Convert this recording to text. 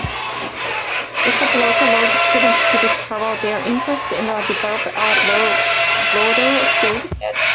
This approach allows students to discover their interests and develop a broader skill set.